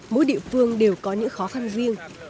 mỗi địa phương đều có những khó khăn riêng